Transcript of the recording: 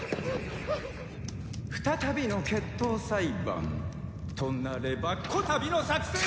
再びの決闘裁判。となればこたびの作戦は。